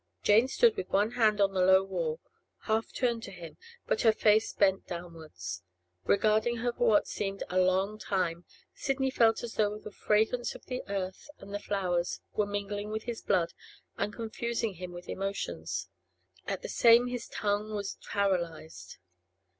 Jane stood with one hand on the low wall, half turned to him, but her face bent downwards. Regarding her for what seemed a long time, Sidney felt as though the fragrance of the earth and the flowers were mingling with his blood and confusing him with emotions. At the same his tongue was paralysed.